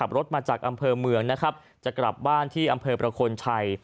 รถมาจากอำเภอเมืองนะครับจะกลับบ้านที่อำเภอประคลชัย